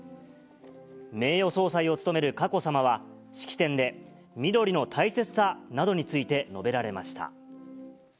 名誉総裁を務める佳子さまは、式典で、みどりの大切さなどについて述べられました。